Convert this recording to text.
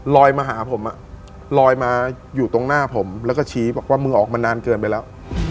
มาหาผมลอยมาอยู่ตรงหน้าผมแล้วก็ชี้บอกว่ามึงออกมานานเกินไปแล้ว